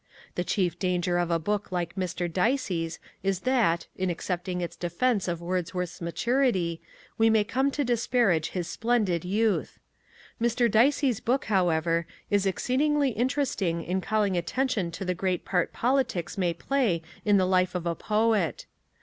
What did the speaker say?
The chief danger of a book like Mr. Dicey's is that, in accepting its defence of Wordsworth's maturity, we may come to disparage his splendid youth. Mr. Dicey's book, however, is exceedingly interesting in calling attention to the great part politics may play in the life of a poet.